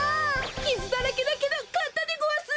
きずだらけだけどかったでごわす！